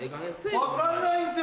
分かんないんっすよ